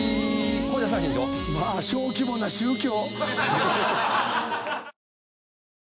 まあ小規模な宗教！